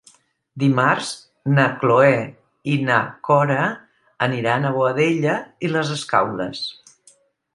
Dimarts na Cloè i na Cora aniran a Boadella i les Escaules.